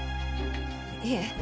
いえ